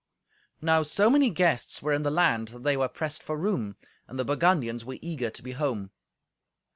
Now so many guests were in the land that they were pressed for room, and the Burgundians were eager to be home.